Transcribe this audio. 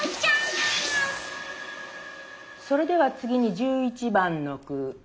それでは次に１１番の句。